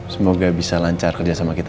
semoga bisa lancar kerjasama kita